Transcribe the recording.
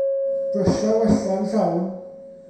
Brysia wella yn llawn.